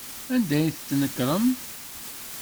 Anda ay d-tnekrem?